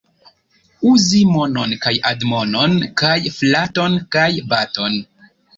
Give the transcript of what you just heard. Uzi monon kaj admonon kaj flaton kaj baton.